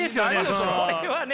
それはね！